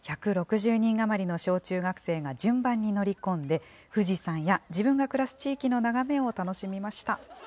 １６０人余りの小中学生が順番に乗り込んで、富士山や自分が暮らす地域の眺めを楽しみました。